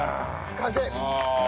完成！